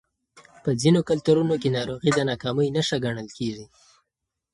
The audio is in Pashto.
په ځینو کلتورونو کې ناروغي د ناکامۍ نښه ګڼل کېږي.